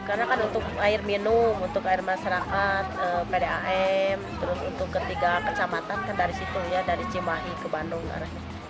karena kan untuk air minum untuk air masyarakat pdam terus untuk ketiga kesamatan kan dari situ ya dari cimahi ke bandung arahnya